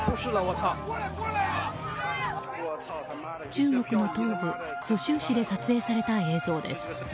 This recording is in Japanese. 中国の東部・蘇州市で撮影された映像です。